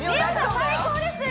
最高です！